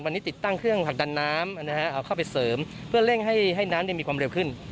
วันนี้ติดตั้งเครื่องผลักดันน้ำเอาเข้าไปเสริมเพื่อเร่งให้น้ำมีความเร็วขึ้น